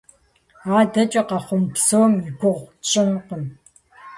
АдэкӀэ къэхъуну псом и гугъу тщӀынкъым.